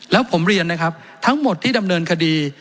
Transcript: แล้วผมเรียนนะครับทั้งหมดที่ดำเนินคดี